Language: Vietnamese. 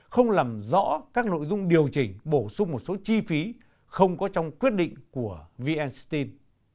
không làm rõ các nội dung điều chỉnh bổ sung một số chi phí không có trong quyết định của vn steel